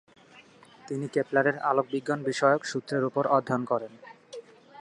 তিনি কেপলারের আলোকবিজ্ঞান বিষয়ক সূত্রের উপর অধ্যয়ন করেন।